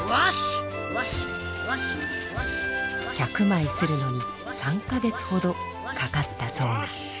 １００まい刷るのに３か月ほどかかったそうな。